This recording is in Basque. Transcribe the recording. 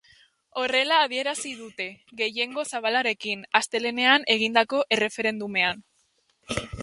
Horrela adierazi dute, gehiengo zabalarekin, astelehenean egindako erreferendumean.